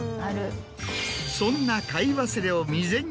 そんな。